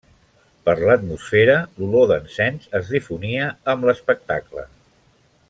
Per l'atmosfera, l'olor d'encens es difonia amb l'espectacle.